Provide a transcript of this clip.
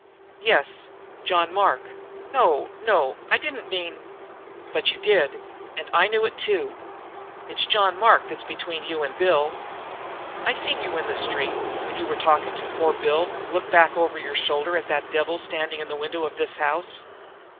"Yes, John Mark. No, no, I didn't mean " "But you did, and I knew it, too. It's John Mark that's between you and Bill. I seen you in the street, when you were talking to poor Bill, look back over your shoulder at that devil standing in the window of this house."